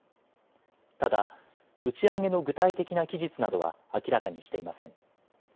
ただ打ち上げの具体的な期日などは明らかにしていません。